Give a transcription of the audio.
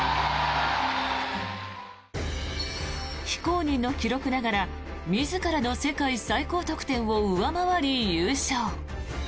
非公認の記録ながら自らの世界最高得点を上回り優勝。